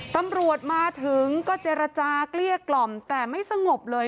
ตำรวจมาถึงก็เจรจาเกลี้ยกล่อมแต่ไม่สงบเลย